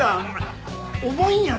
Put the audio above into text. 重いんやで。